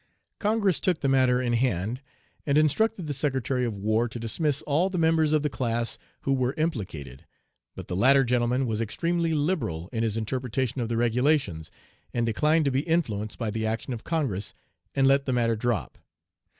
Congress took the matter in hand, and instructed the Secretary of War to dismiss all the members of the class who were implicated, but the latter gentleman 'was extremely liberal in his interpretation of the regulations,' and declined to be influenced by the action of Congress, and let the matter drop.